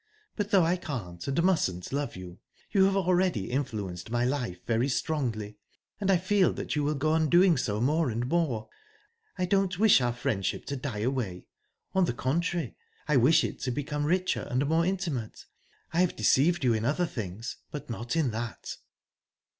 But though I can't and mustn't love you, you have already influenced my life very strongly, and I feel that you will go on doing so more and more. I don't wish our friendship to die away on the contrary, I wish it to become richer and more intimate. I've deceived you in other things, but not in that."